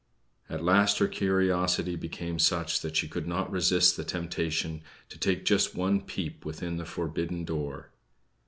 At last her curiosity became such that she could not resist the temptation to take just one peep within the forbidden door.